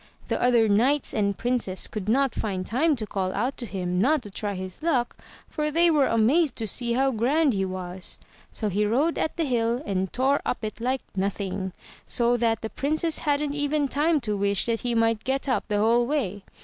The other knights and princes could not find time to call out to him not to try his luck, for they were amazed to see how grand he was. So he rode at the hill, and tore up it like nothing, so that the Princess hadn't even time to wish that he might get up the whole way.